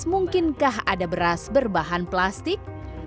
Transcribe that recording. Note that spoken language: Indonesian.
mungkinkah ada beras berbahan plastik